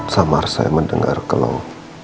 sama saya mendengar kalau